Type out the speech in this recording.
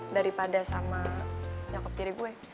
daripada sama nyokap tiri gue